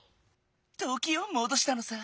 ときをもどしたのさ！